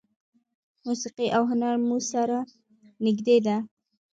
موسیقي او هنر مو سره نږدې دي.